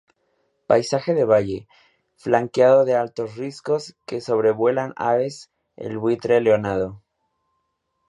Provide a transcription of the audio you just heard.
Paisaje de valle, flanqueado de altos riscos que sobrevuelan aves como el buitre leonado.